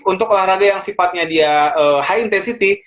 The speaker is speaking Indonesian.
untuk olahraga yang sifatnya dia high intensity